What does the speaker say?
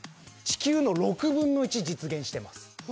地球の６分の１実現してます。